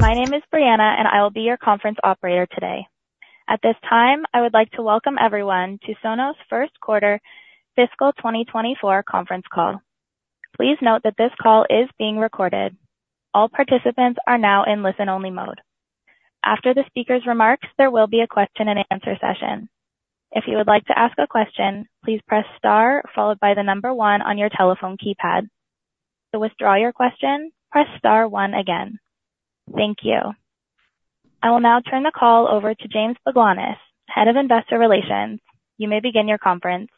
My name is Brianna, and I will be your conference operator today. At this time, I would like to welcome everyone to Sonos' first quarter fiscal 2024 conference call. Please note that this call is being recorded. All participants are now in listen-only mode. After the speaker's remarks, there will be a question-and-answer session. If you would like to ask a question, please press star followed by the number 1 on your telephone keypad. To withdraw your question, press star one again. Thank you. I will now turn the call over to James Baglanis, Head of Investor Relations. You may begin your conference.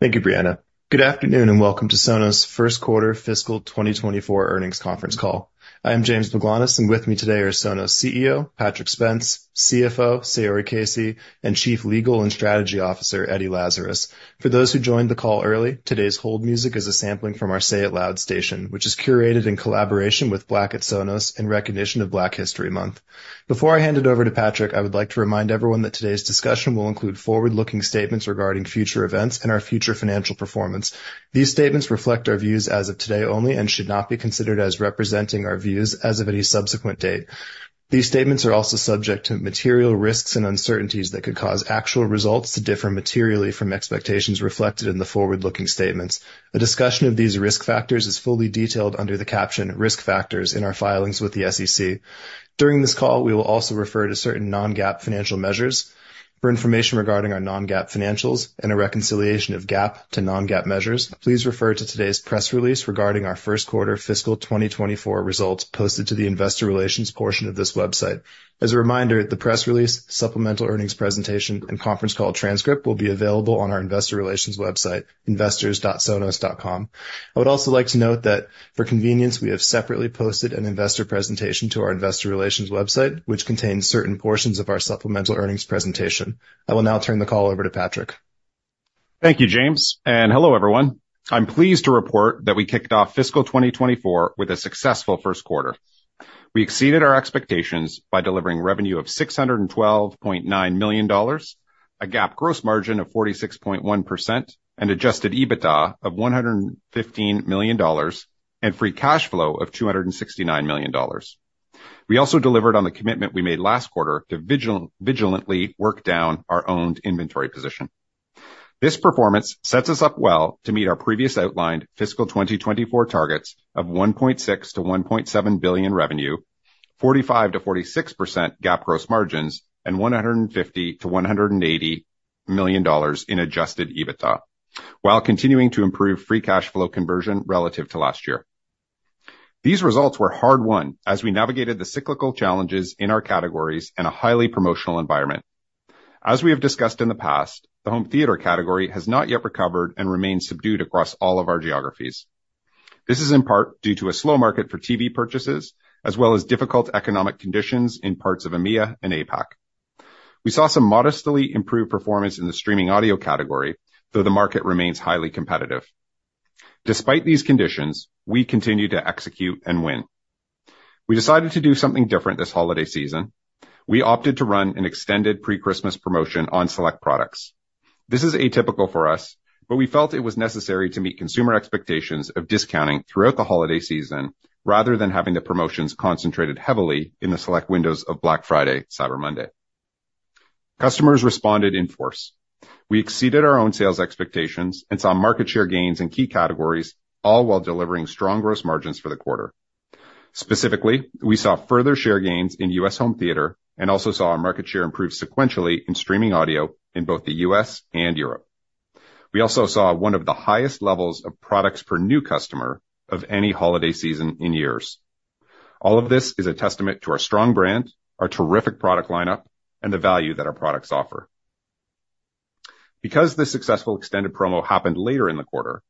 Thank you, Brianna. Good afternoon, and welcome to Sonos' first quarter fiscal 2024 earnings conference call. I am James Baglanis, and with me today are Sonos' CEO, Patrick Spence, CFO, Saori Casey, and Chief Legal and Strategy Officer, Eddie Lazarus. For those who joined the call early, today's hold music is a sampling from our Say It Loud station, which is curated in collaboration with Black at Sonos in recognition of Black History Month. Before I hand it over to Patrick, I would like to remind everyone that today's discussion will include forward-looking statements regarding future events and our future financial performance. These statements reflect our views as of today only and should not be considered as representing our views as of any subsequent date. These statements are also subject to material risks and uncertainties that could cause actual results to differ materially from expectations reflected in the forward-looking statements. A discussion of these risk factors is fully detailed under the caption Risk Factors in our filings with the SEC. During this call, we will also refer to certain non-GAAP financial measures. For information regarding our non-GAAP financials and a reconciliation of GAAP to non-GAAP measures, please refer to today's press release regarding our first quarter fiscal 2024 results posted to the investor relations portion of this website. As a reminder, the press release, supplemental earnings presentation, and conference call transcript will be available on our investor relations website, investors.sonos.com. I would also like to note that for convenience, we have separately posted an investor presentation to our investor relations website, which contains certain portions of our supplemental earnings presentation. I will now turn the call over to Patrick. Thank you, James, and hello, everyone. I'm pleased to report that we kicked off fiscal 2024 with a successful first quarter. We exceeded our expectations by delivering revenue of $612.9 million, a GAAP gross margin of 46.1%, and adjusted EBITDA of $115 million, and free cash flow of $269 million. We also delivered on the commitment we made last quarter to vigilantly work down our owned inventory position. This performance sets us up well to meet our previous outlined fiscal 2024 targets of $1.6 billion-$1.7 billion revenue, 45%-46% GAAP gross margins, and $150 million-$180 million in adjusted EBITDA, while continuing to improve free cash flow conversion relative to last year. These results were hard-won as we navigated the cyclical challenges in our categories in a highly promotional environment. As we have discussed in the past, the home theater category has not yet recovered and remains subdued across all of our geographies. This is in part due to a slow market for TV purchases, as well as difficult economic conditions in parts of EMEA and APAC. We saw some modestly improved performance in the streaming audio category, though the market remains highly competitive. Despite these conditions, we continue to execute and win. We decided to do something different this holiday season. We opted to run an extended pre-Christmas promotion on select products. This is atypical for us, but we felt it was necessary to meet consumer expectations of discounting throughout the holiday season, rather than having the promotions concentrated heavily in the select windows of Black Friday, Cyber Monday. Customers responded in force. We exceeded our own sales expectations and saw market share gains in key categories, all while delivering strong gross margins for the quarter. Specifically, we saw further share gains in U.S. home theater and also saw our market share improve sequentially in streaming audio in both the U.S. and Europe. We also saw one of the highest levels of products per new customer of any holiday season in years. All of this is a testament to our strong brand, our terrific product lineup, and the value that our products offer. Because this successful extended promo happened later in the quarter,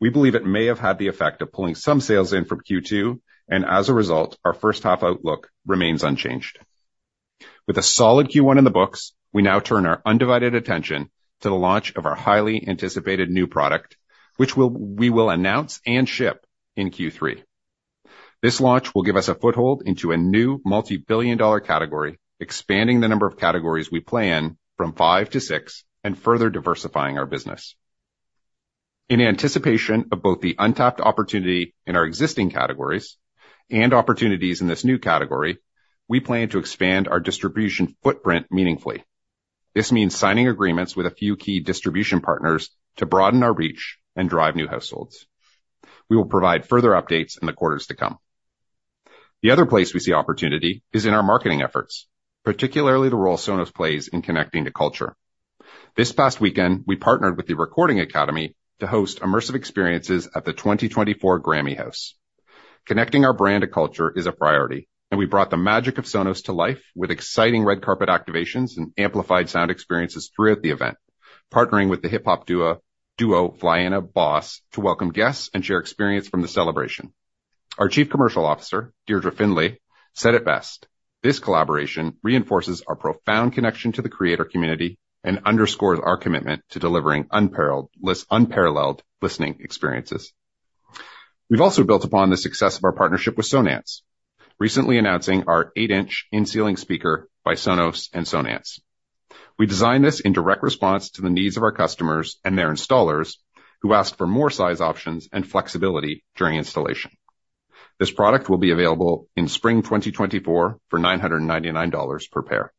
we believe it may have had the effect of pulling some sales in from Q2, and as a result, our first half outlook remains unchanged. With a solid Q1 in the books, we now turn our undivided attention to the launch of our highly anticipated new product, which we will announce and ship in Q3. This launch will give us a foothold into a new multibillion-dollar category, expanding the number of categories we play in from five to six and further diversifying our business. In anticipation of both the untapped opportunity in our existing categories and opportunities in this new category, we plan to expand our distribution footprint meaningfully. This means signing agreements with a few key distribution partners to broaden our reach and drive new households. We will provide further updates in the quarters to come. The other place we see opportunity is in our marketing efforts, particularly the role Sonos plays in connecting to culture. This past weekend, we partnered with the Recording Academy to host immersive experiences at the 2024 Grammy House. Connecting our brand to culture is a priority, and we brought the magic of Sonos to life with exciting red carpet activations and amplified sound experiences throughout the event, partnering with the hip-hop duo, duo Flyana Boss, to welcome guests and share experience from the celebration. Our Chief Commercial Officer, Deirdre Findlay, said it best: This collaboration reinforces our profound connection to the creator community and underscores our commitment to delivering unparallel, unparalleled listening experiences. We've also built upon the success of our partnership with Sonance, recently announcing our 8-inch in-ceiling speaker by Sonos and Sonance. We designed this in direct response to the needs of our customers and their installers, who asked for more size options and flexibility during installation. This product will be available in spring 2024 for $999 per pair.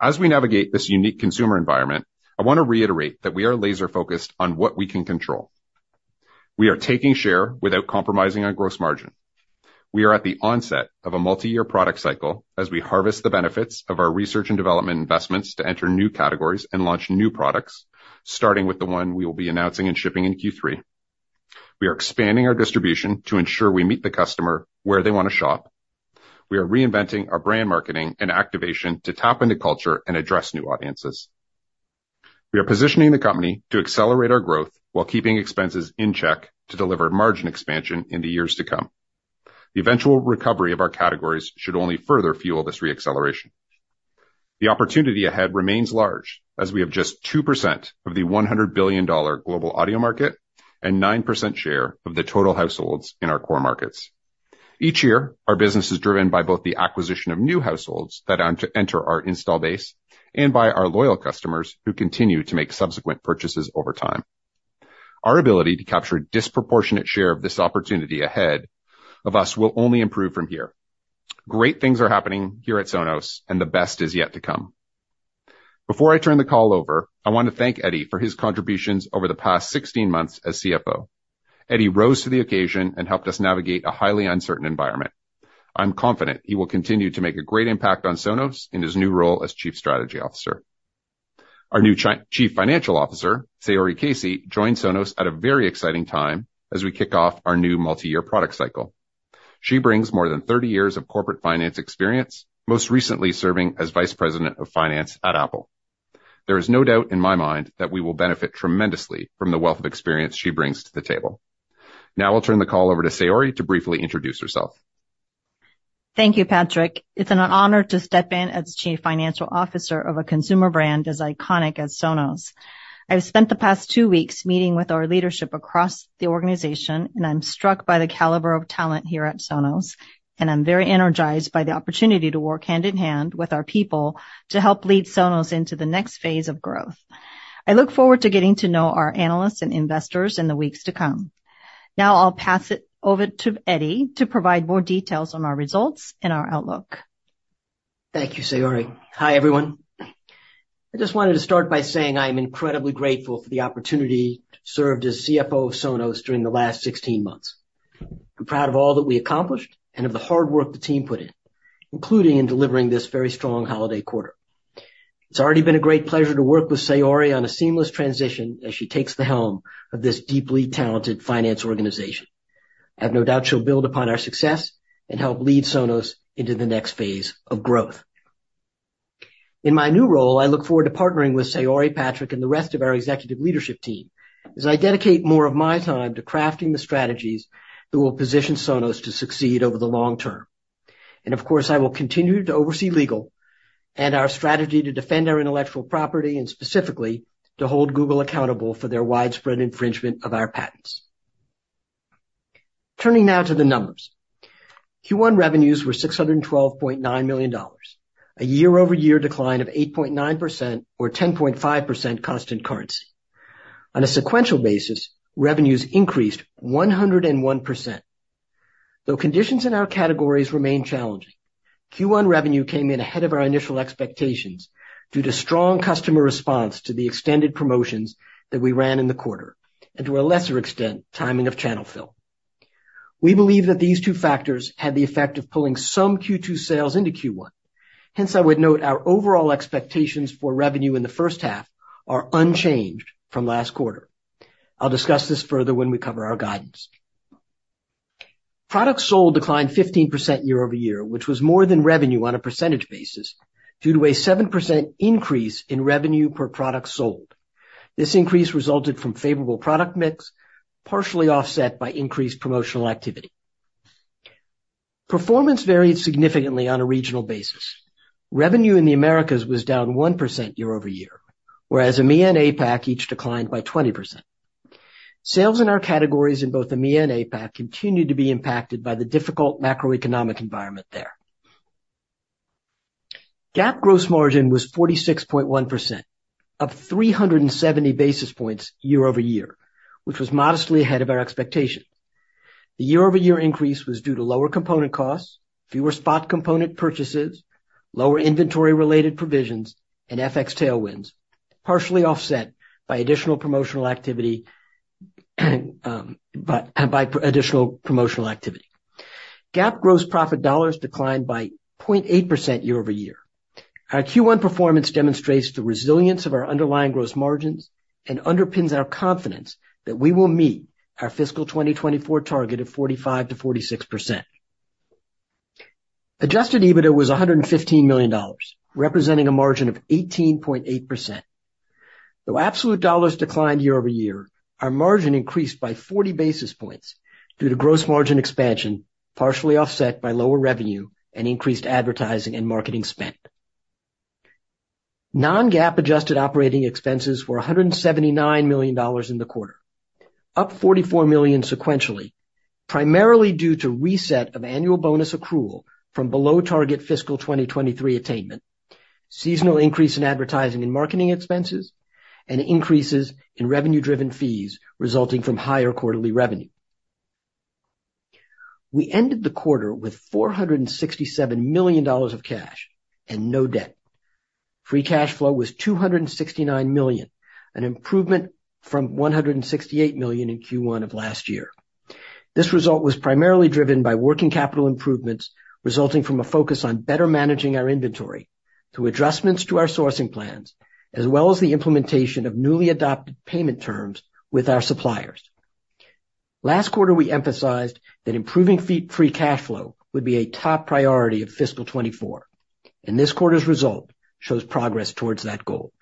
As we navigate this unique consumer environment, I want to reiterate that we are laser focused on what we can control. We are taking share without compromising on gross margin. We are at the onset of a multi-year product cycle as we harvest the benefits of our research and development investments to enter new categories and launch new products, starting with the one we will be announcing and shipping in Q3. We are expanding our distribution to ensure we meet the customer where they want to shop. We are reinventing our brand marketing and activation to tap into culture and address new audiences. We are positioning the company to accelerate our growth while keeping expenses in check to deliver margin expansion in the years to come. The eventual recovery of our categories should only further fuel this re-acceleration. The opportunity ahead remains large, as we have just 2% of the $100 billion global audio market, and 9% share of the total households in our core markets. Each year, our business is driven by both the acquisition of new households that enter our install base and by our loyal customers, who continue to make subsequent purchases over time. Our ability to capture a disproportionate share of this opportunity ahead of us will only improve from here. Great things are happening here at Sonos, and the best is yet to come. Before I turn the call over, I want to thank Eddie for his contributions over the past 16 months as CFO. Eddie rose to the occasion and helped us navigate a highly uncertain environment. I'm confident he will continue to make a great impact on Sonos in his new role as Chief Strategy Officer. Our new Chief Financial Officer, Saori Casey, joined Sonos at a very exciting time as we kick off our new multi-year product cycle. She brings more than 30 years of corporate finance experience, most recently serving as vice president of finance at Apple. There is no doubt in my mind that we will benefit tremendously from the wealth of experience she brings to the table. Now I'll turn the call over to Saori to briefly introduce herself. Thank you, Patrick. It's an honor to step in as Chief Financial Officer of a consumer brand as iconic as Sonos. I've spent the past two weeks meeting with our leadership across the organization, and I'm struck by the caliber of talent here at Sonos, and I'm very energized by the opportunity to work hand in hand with our people to help lead Sonos into the next phase of growth. I look forward to getting to know our analysts and investors in the weeks to come. Now I'll pass it over to Eddie to provide more details on our results and our outlook. Thank you, Saori. Hi, everyone. I just wanted to start by saying I am incredibly grateful for the opportunity to serve as CFO of Sonos during the last 16 months. I'm proud of all that we accomplished and of the hard work the team put in, including in delivering this very strong holiday quarter. It's already been a great pleasure to work with Saori on a seamless transition as she takes the helm of this deeply talented finance organization. I have no doubt she'll build upon our success and help lead Sonos into the next phase of growth. In my new role, I look forward to partnering with Saori, Patrick, and the rest of our executive leadership team as I dedicate more of my time to crafting the strategies that will position Sonos to succeed over the long term. Of course, I will continue to oversee legal and our strategy to defend our intellectual property, and specifically to hold Google accountable for their widespread infringement of our patents. Turning now to the numbers. Q1 revenues were $612.9 million, a year-over-year decline of 8.9% or 10.5% constant currency. On a sequential basis, revenues increased 101%. Though conditions in our categories remain challenging, Q1 revenue came in ahead of our initial expectations due to strong customer response to the extended promotions that we ran in the quarter, and to a lesser extent, timing of channel fill. We believe that these two factors had the effect of pulling some Q2 sales into Q1. Hence, I would note our overall expectations for revenue in the first half are unchanged from last quarter. I'll discuss this further when we cover our guidance. Products sold declined 15% year-over-year, which was more than revenue on a percentage basis, due to a 7% increase in revenue per product sold. This increase resulted from favorable product mix, partially offset by increased promotional activity. Performance varied significantly on a regional basis. Revenue in the Americas was down 1% year-over-year, whereas EMEA and APAC each declined by 20%. Sales in our categories in both EMEA and APAC continued to be impacted by the difficult macroeconomic environment there. GAAP gross margin was 46.1%, up 370 basis points year-over-year, which was modestly ahead of our expectations. The year-over-year increase was due to lower component costs, fewer spot component purchases, lower inventory-related provisions, and FX tailwinds, partially offset by additional promotional activity. GAAP gross profit dollars declined by 0.8% year over year. Our Q1 performance demonstrates the resilience of our underlying gross margins and underpins our confidence that we will meet our fiscal 2024 target of 45%-46%. Adjusted EBITDA was $115 million, representing a margin of 18.8%. Though absolute dollars declined year over year, our margin increased by 40 basis points due to gross margin expansion, partially offset by lower revenue and increased advertising and marketing spend. Non-GAAP adjusted operating expenses were $179 million in the quarter. up $44 million sequentially, primarily due to reset of annual bonus accrual from below target fiscal 2023 attainment, seasonal increase in advertising and marketing expenses, and increases in revenue-driven fees resulting from higher quarterly revenue. We ended the quarter with $467 million of cash and no debt. Free cash flow was $269 million, an improvement from $168 million in Q1 of last year. This result was primarily driven by working capital improvements, resulting from a focus on better managing our inventory through adjustments to our sourcing plans, as well as the implementation of newly adopted payment terms with our suppliers. Last quarter, we emphasized that improving free cash flow would be a top priority of fiscal 2024, and this quarter's result shows progress towards that goal.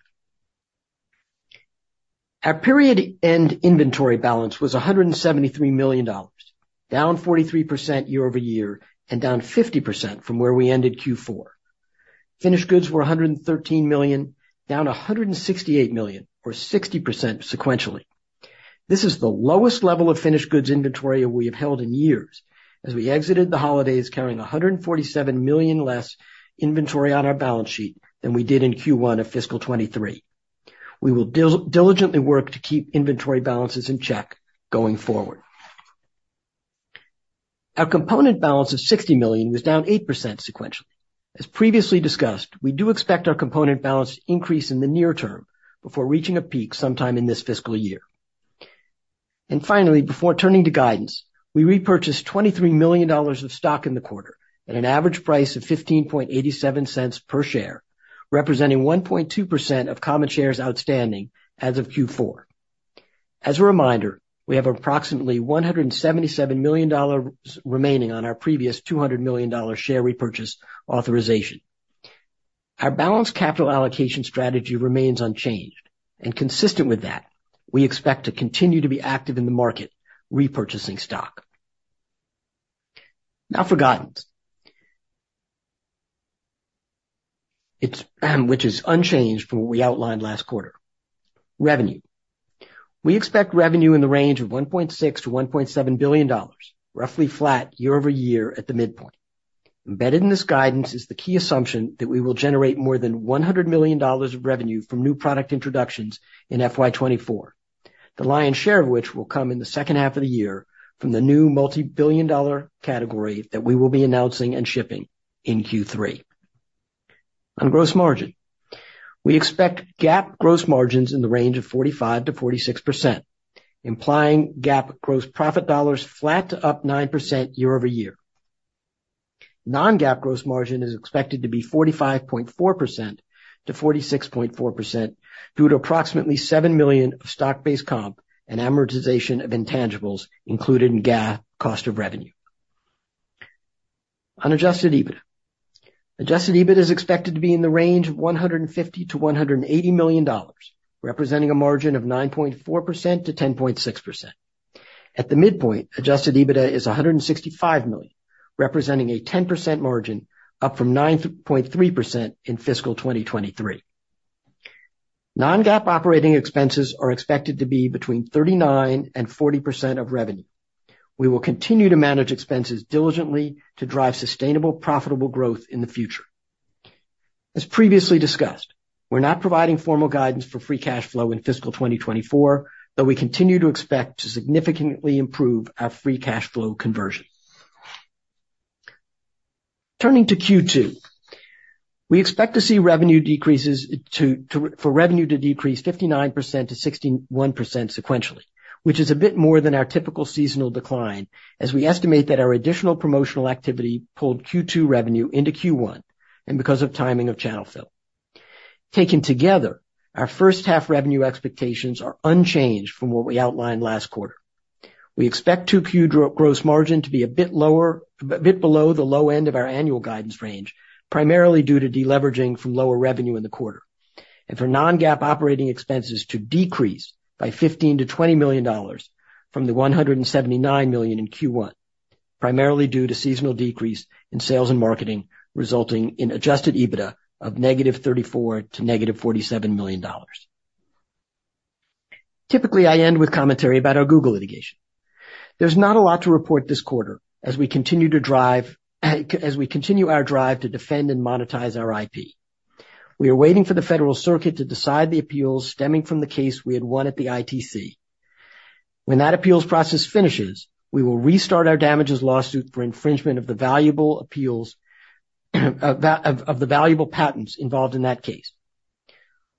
Our period-end inventory balance was $173 million, down 43% year-over-year and down 50% from where we ended Q4. Finished goods were $113 million, down $168 million, or 60% sequentially. This is the lowest level of finished goods inventory we have held in years, as we exited the holidays carrying $147 million less inventory on our balance sheet than we did in Q1 of fiscal 2023. We will diligently work to keep inventory balances in check going forward. Our component balance of $60 million was down 8% sequentially. As previously discussed, we do expect our component balance to increase in the near term before reaching a peak sometime in this fiscal year. And finally, before turning to guidance, we repurchased $23 million of stock in the quarter at an average price of $0.1587 per share, representing 1.2% of common shares outstanding as of Q4. As a reminder, we have approximately $177 million remaining on our previous $200 million share repurchase authorization. Our balanced capital allocation strategy remains unchanged, and consistent with that, we expect to continue to be active in the market, repurchasing stock. Now for guidance, which is unchanged from what we outlined last quarter. Revenue. We expect revenue in the range of $1.6 billion-$1.7 billion, roughly flat year-over-year at the midpoint. Embedded in this guidance is the key assumption that we will generate more than $100 million of revenue from new product introductions in FY 2024. The lion's share of which will come in the second half of the year from the new multibillion-dollar category that we will be announcing and shipping in Q3. On gross margin, we expect GAAP gross margins in the range of 45%-46%, implying GAAP gross profit dollars flat to up 9% year-over-year. Non-GAAP gross margin is expected to be 45.4%-46.4%, due to approximately $7 million of stock-based comp and amortization of intangibles included in GAAP cost of revenue. On Adjusted EBITDA. Adjusted EBITDA is expected to be in the range of $150 million-$180 million, representing a margin of 9.4%-10.6%. At the midpoint, Adjusted EBITDA is $165 million, representing a 10% margin, up from 9.3% in fiscal 2023. Non-GAAP operating expenses are expected to be between 39% and 40% of revenue. We will continue to manage expenses diligently to drive sustainable, profitable growth in the future. As previously discussed, we're not providing formal guidance for free cash flow in fiscal 2024, but we continue to expect to significantly improve our free cash flow conversion. Turning to Q2. We expect to see revenue decrease 59%-61% sequentially, which is a bit more than our typical seasonal decline, as we estimate that our additional promotional activity pulled Q2 revenue into Q1, and because of timing of channel fill. Taken together, our first half revenue expectations are unchanged from what we outlined last quarter. We expect Q2 gross margin to be a bit lower, a bit below the low end of our annual guidance range, primarily due to deleveraging from lower revenue in the quarter, and for non-GAAP operating expenses to decrease by $15 million-$20 million from the $179 million in Q1, primarily due to seasonal decrease in sales and marketing, resulting in Adjusted EBITDA of -$34 million to -$47 million. Typically, I end with commentary about our Google litigation. There's not a lot to report this quarter as we continue to drive, as we continue our drive to defend and monetize our IP. We are waiting for the Federal Circuit to decide the appeals stemming from the case we had won at the ITC. When that appeals process finishes, we will restart our damages lawsuit for infringement of the valuable patents involved in that case.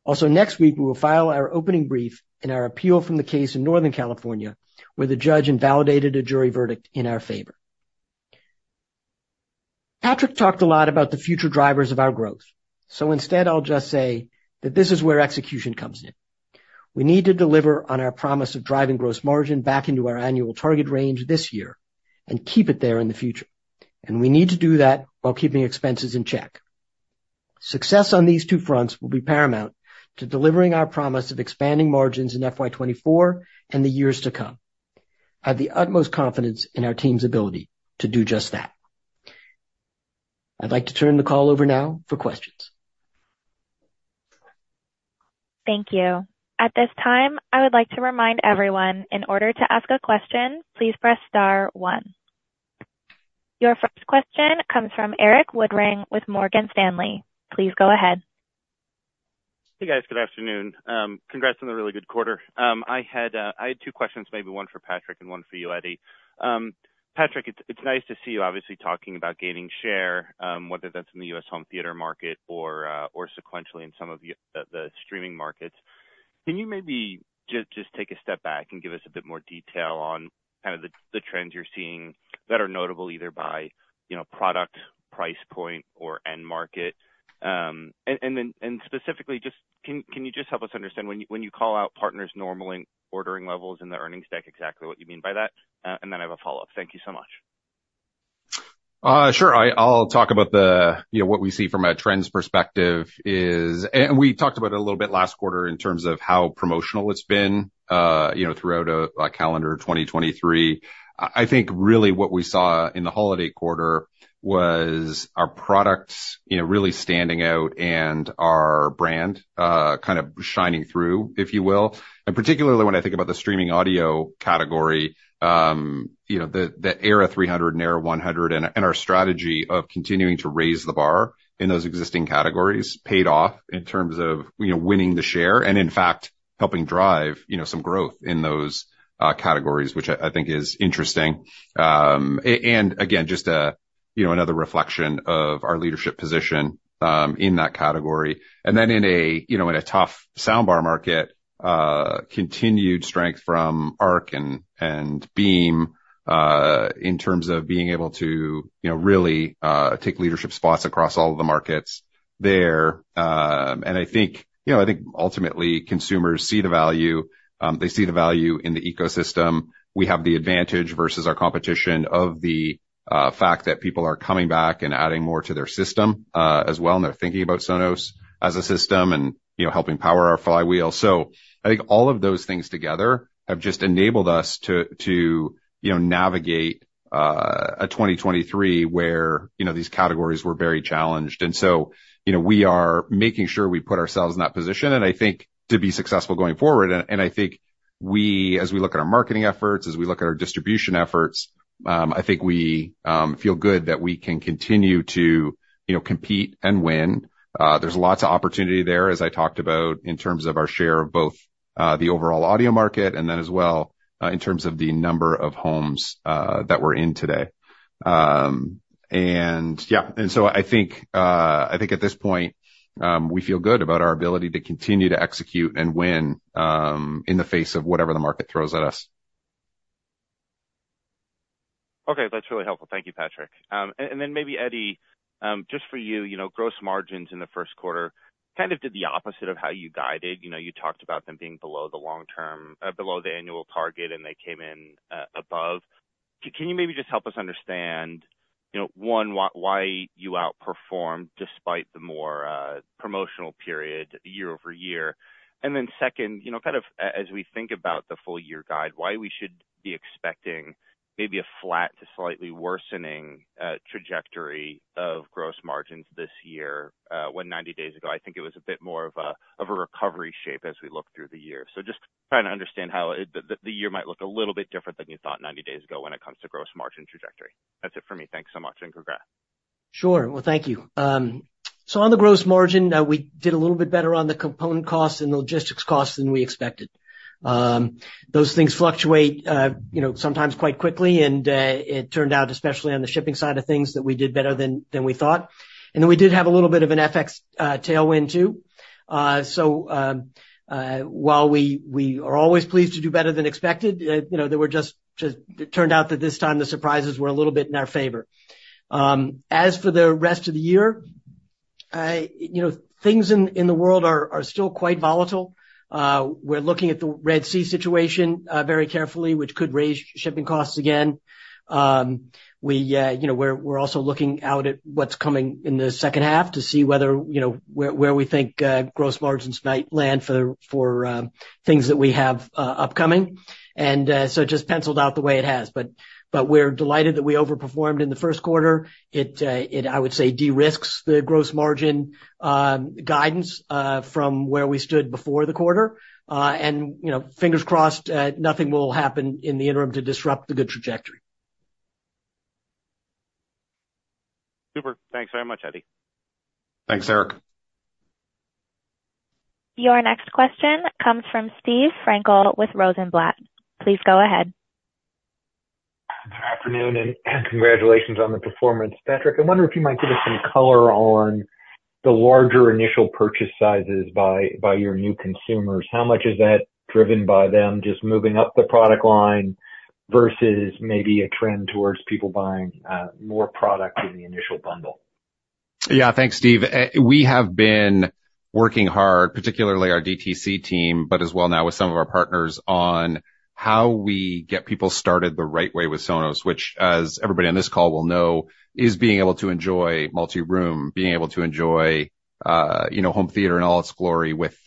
Also, next week, we will file our opening brief in our appeal from the case in Northern California, where the judge invalidated a jury verdict in our favor. Patrick talked a lot about the future drivers of our growth, so instead, I'll just say that this is where execution comes in. We need to deliver on our promise of driving gross margin back into our annual target range this year and keep it there in the future, and we need to do that while keeping expenses in check. Success on these two fronts will be paramount to delivering our promise of expanding margins in FY 2024 and the years to come. I have the utmost confidence in our team's ability to do just that. I'd like to turn the call over now for questions. Thank you. At this time, I would like to remind everyone, in order to ask a question, please press star one. Your first question comes from Erik Woodring with Morgan Stanley. Please go ahead. Hey, guys. Good afternoon. Congrats on the really good quarter. I had two questions, maybe one for Patrick and one for you, Eddie. Patrick, it's nice to see you obviously talking about gaining share, whether that's in the U.S. home theater market or sequentially in some of the streaming markets. Can you maybe just take a step back and give us a bit more detail on kind of the trends you're seeing that are notable either by, you know, product, price point, or end market? And then, specifically, just can you help us understand when you call out partners normalizing ordering levels in the earnings deck, exactly what you mean by that? And then I have a follow-up. Thank you so much. Sure. I'll talk about the... You know, what we see from a trends perspective is, and we talked about it a little bit last quarter in terms of how promotional it's been, you know, throughout calendar 2023. I think really what we saw in the holiday quarter was our products, you know, really standing out and our brand kind of shining through, if you will. Particularly when I think about the streaming audio category, you know, the Era 300 and Era 100, and our strategy of continuing to raise the bar in those existing categories paid off in terms of, you know, winning the share, and in fact, helping drive, you know, some growth in those categories, which I think is interesting. And again, just you know another reflection of our leadership position in that category. And then in you know in a tough soundbar market, continued strength from Arc and Beam in terms of being able to you know really take leadership spots across all of the markets there. And I think you know I think ultimately consumers see the value, they see the value in the ecosystem. We have the advantage versus our competition of the fact that people are coming back and adding more to their system as well, and they're thinking about Sonos as a system and you know helping power our flywheel. So I think all of those things together have just enabled us to you know navigate a 2023, where you know these categories were very challenged. And so, you know, we are making sure we put ourselves in that position, and I think to be successful going forward, and I think we, as we look at our marketing efforts, as we look at our distribution efforts, I think we feel good that we can continue to, you know, compete and win. There's lots of opportunity there, as I talked about, in terms of our share of both the overall audio market and then as well in terms of the number of homes that we're in today. And yeah, and so I think, I think at this point, we feel good about our ability to continue to execute and win in the face of whatever the market throws at us. Okay, that's really helpful. Thank you, Patrick. And then maybe Eddie, just for you, you know, gross margins in the first quarter kind of did the opposite of how you guided. You know, you talked about them being below the long term, below the annual target, and they came in above. Can you maybe just help us understand, you know, one, why you outperformed despite the more promotional period year-over-year? And then second, you know, as we think about the full year guide, why we should be expecting maybe a flat to slightly worsening trajectory of gross margins this year, when 90 days ago, I think it was a bit more of a recovery shape as we look through the year. So just trying to understand how it... The year might look a little bit different than you thought 90 days ago when it comes to gross margin trajectory. That's it for me. Thanks so much, and congrats. Sure. Well, thank you. So on the gross margin, we did a little bit better on the component costs and logistics costs than we expected. Those things fluctuate, you know, sometimes quite quickly, and it turned out, especially on the shipping side of things, that we did better than we thought. And then we did have a little bit of an FX tailwind too. So while we are always pleased to do better than expected, you know, there were just it turned out that this time the surprises were a little bit in our favor. As for the rest of the year, you know, things in the world are still quite volatile. We're looking at the Red Sea situation very carefully, which could raise shipping costs again. We, you know, we're also looking out at what's coming in the second half to see whether, you know, where we think gross margins might land for things that we have upcoming. And so it just penciled out the way it has. But we're delighted that we overperformed in the first quarter. It, it... I would say, de-risks the gross margin guidance from where we stood before the quarter. And, you know, fingers crossed, nothing will happen in the interim to disrupt the good trajectory. Super. Thanks very much, Eddie. Thanks, Erik. Your next question comes from Steve Frankel with Rosenblatt. Please go ahead. Good afternoon, and congratulations on the performance. Patrick, I wonder if you might give us some color on the larger initial purchase sizes by your new consumers. How much is that driven by them just moving up the product line versus maybe a trend towards people buying more product in the initial bundle? Yeah. Thanks, Steve. We have been working hard, particularly our DTC team, but as well now with some of our partners, on how we get people started the right way with Sonos, which, as everybody on this call will know, is being able to enjoy multi-room, being able to enjoy, you know, home theater in all its glory with,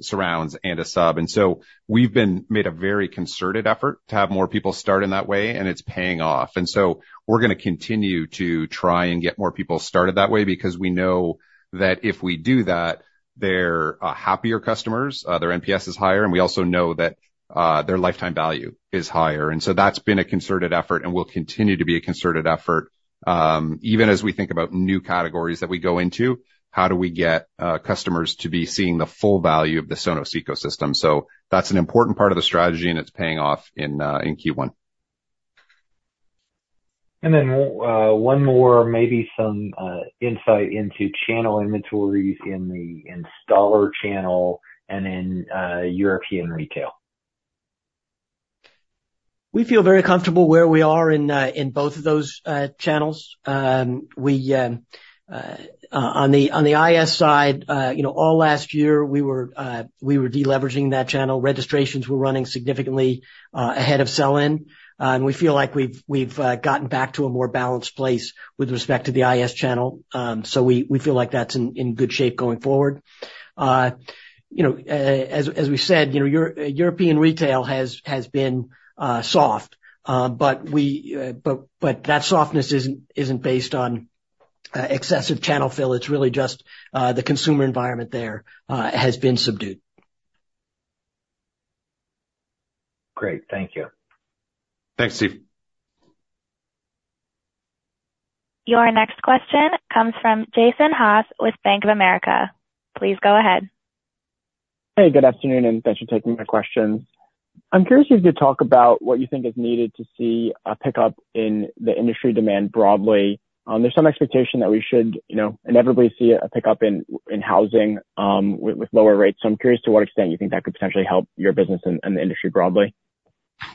surrounds and a sub. And so we've made a very concerted effort to have more people start in that way, and it's paying off. And so we're gonna continue to try and get more people started that way, because we know that if we do that, they're happier customers, their NPS is higher, and we also know that their lifetime value is higher. And so that's been a concerted effort and will continue to be a concerted effort, even as we think about new categories that we go into, how do we get customers to be seeing the full value of the Sonos ecosystem? So that's an important part of the strategy, and it's paying off in Q1. And then, one more, maybe some insight into channel inventories in the installer channel and in European retail. We feel very comfortable where we are in both of those channels. On the IS side, you know, all last year, we were deleveraging that channel. Registrations were running significantly ahead of sell-in, and we feel like we've gotten back to a more balanced place with respect to the IS channel. So we feel like that's in good shape going forward. You know, as we said, you know, European retail has been soft. But that softness isn't based on excessive channel fill. It's really just the consumer environment there has been subdued. Great. Thank you. Thanks, Steve. Your next question comes from Jason Haas with Bank of America. Please go ahead. Hey, good afternoon, and thanks for taking my questions. I'm curious if you could talk about what you think is needed to see a pickup in the industry demand broadly. There's some expectation that we should, you know, inevitably see a pickup in housing with lower rates. So I'm curious to what extent you think that could potentially help your business and the industry broadly.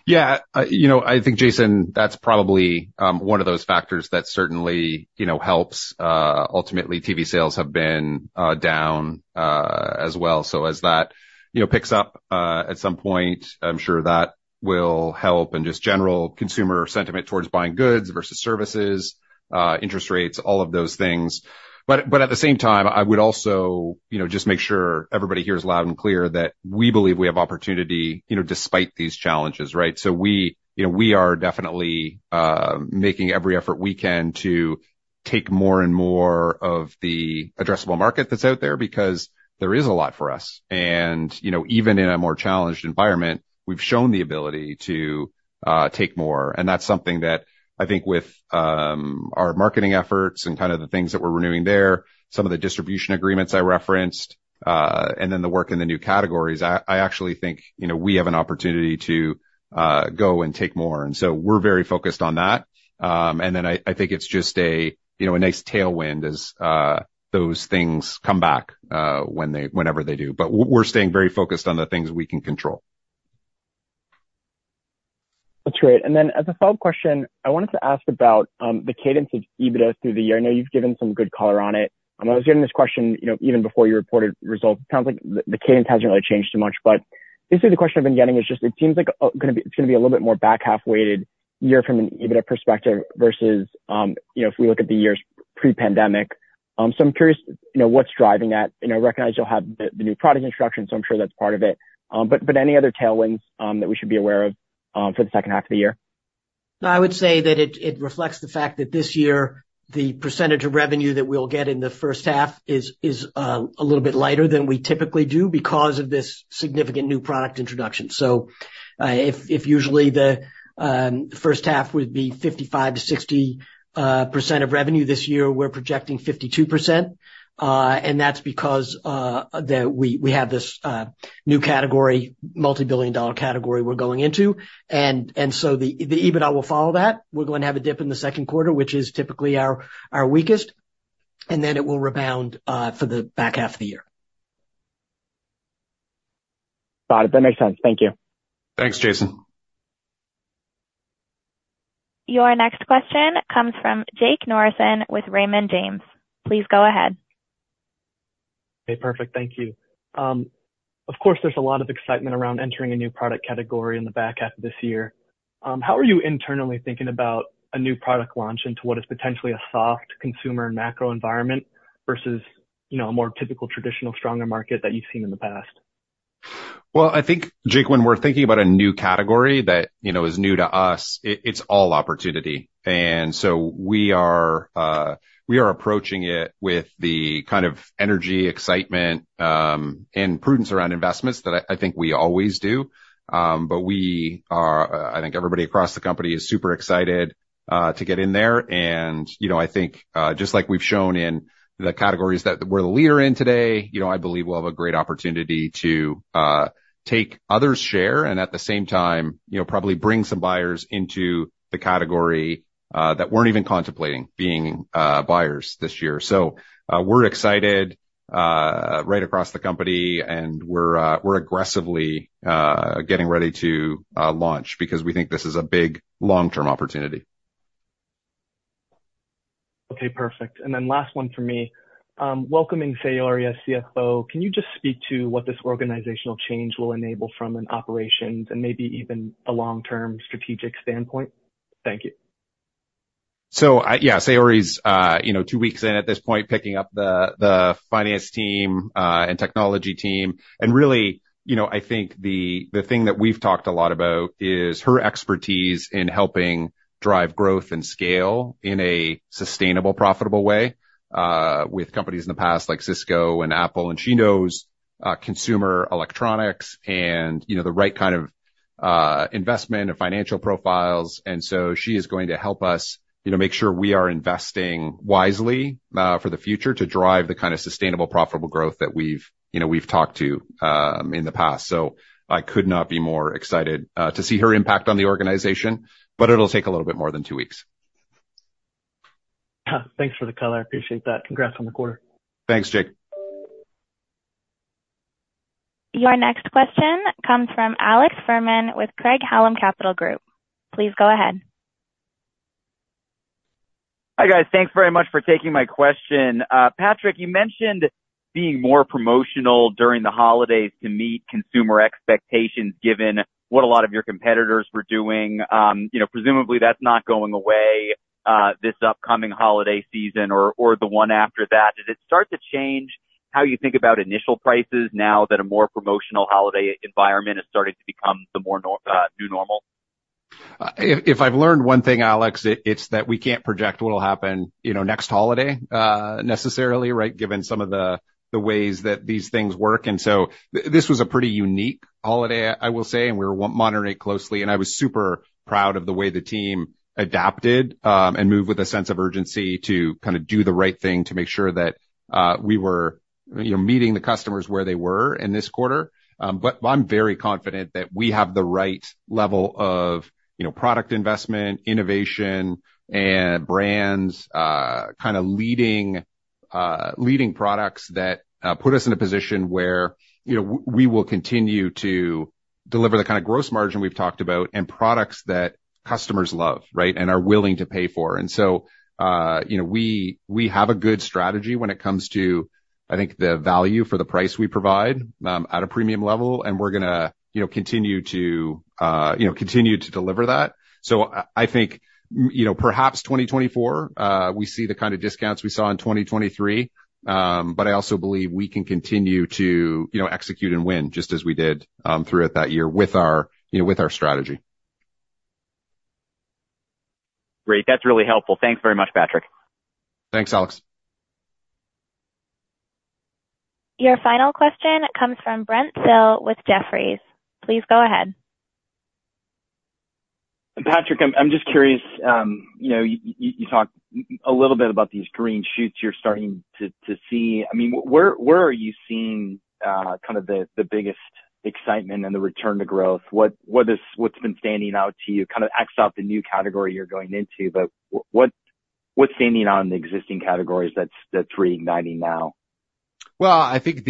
Yeah, you know, I think, Jason, that's probably one of those factors that certainly, you know, helps. Ultimately, TV sales have been down as well. So as that, you know, picks up at some point, I'm sure that will help. And just general consumer sentiment towards buying goods versus services, interest rates, all of those things. But at the same time, I would also, you know, just make sure everybody hears loud and clear that we believe we have opportunity, you know, despite these challenges, right? So we, you know, we are definitely making every effort we can to take more and more of the addressable market that's out there, because there is a lot for us. And, you know, even in a more challenged environment, we've shown the ability to take more. That's something that I think with our marketing efforts and kind of the things that we're renewing there, some of the distribution agreements I referenced, and then the work in the new categories, I actually think, you know, we have an opportunity to go and take more, and so we're very focused on that. Then I think it's just a you know a nice tailwind as those things come back, whenever they do. We're staying very focused on the things we can control. That's great. And then, as a follow-up question, I wanted to ask about the cadence of EBITDA through the year. I know you've given some good color on it. I was getting this question, you know, even before you reported results. It sounds like the cadence hasn't really changed too much. But basically, the question I've been getting is just, it seems like it's gonna be a little bit more back-half-weighted year from an EBITDA perspective versus, you know, if we look at the years pre-pandemic. So I'm curious, you know, what's driving that? And I recognize you'll have the new product introduction, so I'm sure that's part of it. But any other tailwinds that we should be aware of for the second half of the year? I would say that it reflects the fact that this year, the percentage of revenue that we'll get in the first half is a little bit lighter than we typically do because of this significant new product introduction. So, if usually the first half would be 55-60% of revenue, this year we're projecting 52%. And that's because we have this new category, multibillion-dollar category we're going into. And so the EBITDA will follow that. We're going to have a dip in the second quarter, which is typically our weakest, and then it will rebound for the back half of the year. Got it. That makes sense. Thank you. Thanks, Jason. Your next question comes from Jake Norrison with Raymond James. Please go ahead. Hey, perfect. Thank you. Of course, there's a lot of excitement around entering a new product category in the back half of this year. How are you internally thinking about a new product launch into what is potentially a soft consumer and macro environment versus, you know, a more typical, traditional, stronger market that you've seen in the past? Well, I think, Jake, when we're thinking about a new category that, you know, is new to us, it's all opportunity. And so we are approaching it with the kind of energy, excitement, and prudence around investments that I think we always do. But we are. I think everybody across the company is super excited to get in there. And, you know, I think, just like we've shown in the categories that we're the leader in today, you know, I believe we'll have a great opportunity to take others' share and, at the same time, you know, probably bring some buyers into the category that weren't even contemplating being buyers this year. We're excited, right across the company, and we're aggressively getting ready to launch because we think this is a big long-term opportunity. Okay, perfect. And then last one for me. Welcoming Saori as CFO, can you just speak to what this organizational change will enable from an operations and maybe even a long-term strategic standpoint? Thank you. So I... Yeah, Saori's, you know, two weeks in, at this point, picking up the finance team and technology team. Really, you know, I think the thing that we've talked a lot about is her expertise in helping drive growth and scale in a sustainable, profitable way with companies in the past, like Cisco and Apple, and she knows consumer electronics and, you know, the right kind of investment and financial profiles, and so she is going to help us, you know, make sure we are investing wisely for the future to drive the kind of sustainable, profitable growth that we've, you know, we've talked to in the past. So I could not be more excited to see her impact on the organization, but it'll take a little bit more than two weeks. Thanks for the color. I appreciate that. Congrats on the quarter. Thanks, Jake. Your next question comes from Alex Fuhrman with Craig-Hallum Capital Group. Please go ahead. Hi, guys. Thanks very much for taking my question. Patrick, you mentioned being more promotional during the holidays to meet consumer expectations, given what a lot of your competitors were doing. You know, presumably, that's not going away, this upcoming holiday season or the one after that. Does it start to change how you think about initial prices now that a more promotional holiday environment is starting to become the new normal? If I've learned one thing, Alex, it's that we can't project what'll happen, you know, next holiday necessarily, right? Given some of the ways that these things work, and so this was a pretty unique holiday, I will say, and we're monitoring it closely, and I was super proud of the way the team adapted and moved with a sense of urgency to kind of do the right thing, to make sure that we were, you know, meeting the customers where they were in this quarter. But I'm very confident that we have the right level of, you know, product investment, innovation, and brands kind of leading products that put us in a position where, you know, we will continue to deliver the kind of gross margin we've talked about and products that customers love, right? And are willing to pay for. So, you know, we have a good strategy when it comes to, I think, the value for the price we provide at a premium level, and we're gonna, you know, continue to, you know, continue to deliver that. So I think, you know, perhaps 2024, we see the kind of discounts we saw in 2023, but I also believe we can continue to, you know, execute and win just as we did throughout that year with our, you know, with our strategy. Great. That's really helpful. Thanks very much, Patrick. Thanks, Alex. Your final question comes from Brent Thill with Jefferies. Please go ahead. Patrick, I'm just curious, you know, you talked a little bit about these green shoots you're starting to see. I mean, where are you seeing kind of the biggest excitement and the return to growth? What's been standing out to you? Kind of X out the new category you're going into, but what's standing out in the existing categories that's reigniting now? Well, I think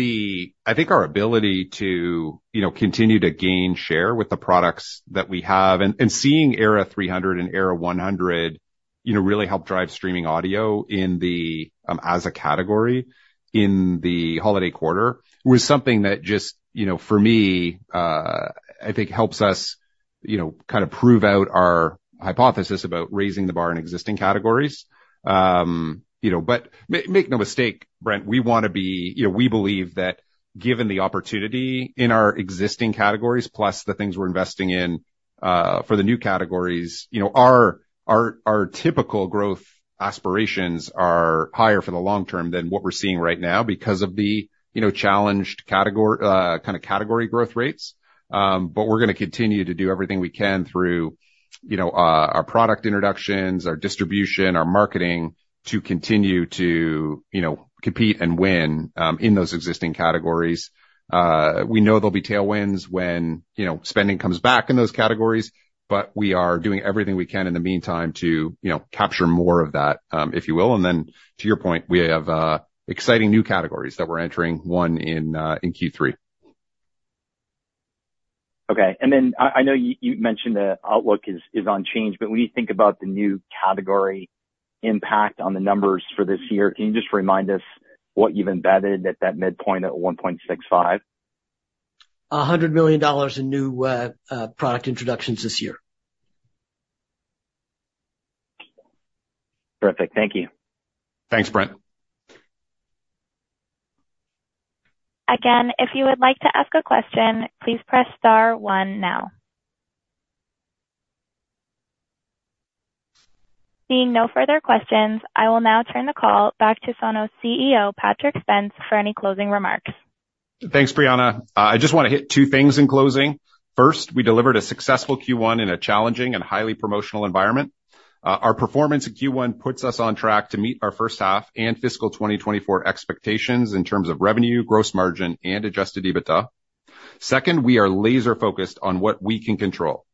our ability to, you know, continue to gain share with the products that we have, and, and seeing Era 300 and Era 100, you know, really help drive streaming audio in the as a category in the holiday quarter, was something that just, you know, for me, I think helps us, you know, kind of prove out our hypothesis about raising the bar in existing categories. You know, but make no mistake, Brent, we wanna be... You know, we believe that given the opportunity in our existing categories, plus the things we're investing in, for the new categories, you know, our typical growth aspirations are higher for the long term than what we're seeing right now because of the, you know, challenged category, kind of category growth rates. But we're gonna continue to do everything we can through, you know, our product introductions, our distribution, our marketing, to continue to, you know, compete and win in those existing categories. We know there'll be tailwinds when, you know, spending comes back in those categories, but we are doing everything we can in the meantime to, you know, capture more of that, if you will. And then, to your point, we have exciting new categories that we're entering, one in Q3. Okay. And then I know you mentioned the outlook is unchanged, but when you think about the new category impact on the numbers for this year, can you just remind us what you've embedded at that midpoint at 1.65? $100 million in new product introductions this year. Perfect. Thank you. Thanks, Brent. Again, if you would like to ask a question, please press star one now. Seeing no further questions, I will now turn the call back to Sonos' CEO, Patrick Spence, for any closing remarks. Thanks, Brianna. I just want to hit two things in closing. First, we delivered a successful Q1 in a challenging and highly promotional environment. Our performance in Q1 puts us on track to meet our first half and fiscal 2024 expectations in terms of revenue, gross margin, and Adjusted EBITDA. Second, we are laser focused on what we can control.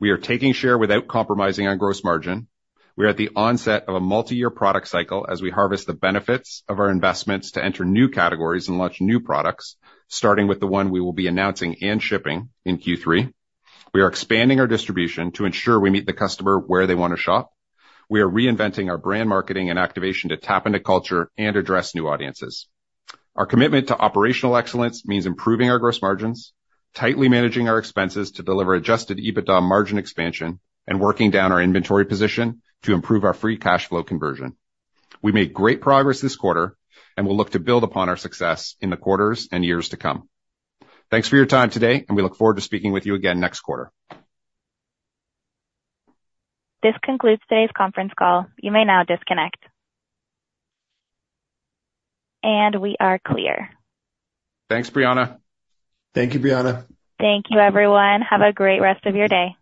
We are taking share without compromising on gross margin. We are at the onset of a multi-year product cycle as we harvest the benefits of our investments to enter new categories and launch new products, starting with the one we will be announcing and shipping in Q3. We are expanding our distribution to ensure we meet the customer where they want to shop. We are reinventing our brand marketing and activation to tap into culture and address new audiences. Our commitment to operational excellence means improving our gross margins, tightly managing our expenses to deliver Adjusted EBITDA margin expansion, and working down our inventory position to improve our Free Cash Flow conversion. We made great progress this quarter, and we'll look to build upon our success in the quarters and years to come. Thanks for your time today, and we look forward to speaking with you again next quarter. This concludes today's conference call. You may now disconnect. We are clear. Thanks, Brianna. Thank you, Brianna. Thank you, everyone. Have a great rest of your day.